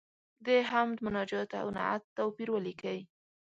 د حمد، مناجات او نعت توپیر ولیکئ.